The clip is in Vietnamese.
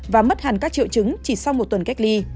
và mất hẳn các triệu chứng chỉ sau một tuần cách ly